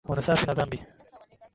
Hunisafi na dhambi.